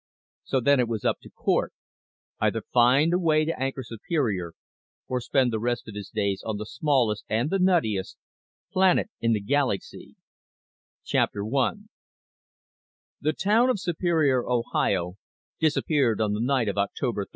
So then it was up to Cort: either find a way to anchor Superior, or spend the rest of his days on the smallest and the nuttiest planet in the galaxy! I The town of Superior, Ohio, disappeared on the night of October 31.